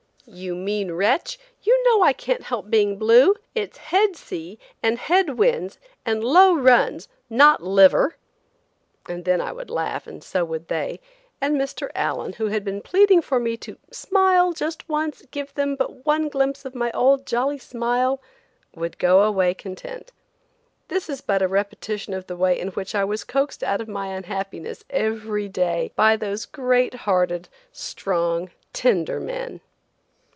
"You mean wretch, you know I can't help being blue. It's head sea, and head winds, and low runs–not liver!" And then I would laugh, and so would they; and Mr. Allen, who had been pleading for me to "smile just once, give them but one glimpse of my old, jolly smile," would go away content. This is but a repetition of the way in which I was coaxed out of my unhappiness every day, by those great hearted, strong, tender men.